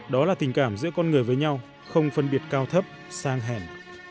đó là tình cảm giữa con người với nhau không phân biệt cao thấp sang hèn